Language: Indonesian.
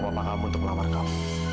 bapak kamu untuk melamar kamu